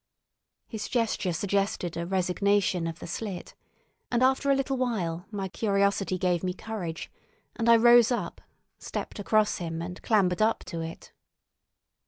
His gesture suggested a resignation of the slit, and after a little while my curiosity gave me courage, and I rose up, stepped across him, and clambered up to it.